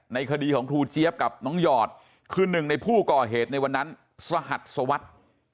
คดีของครูเจี๊ยบกับน้องหยอดคือหนึ่งในผู้ก่อเหตุในวันนั้นสหัสสวัสดิ์